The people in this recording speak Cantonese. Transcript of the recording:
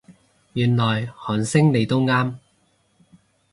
原來韓星你都啱